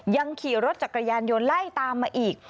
ยังขี่รถจักรยานยนต์ไล่ตามมาอีก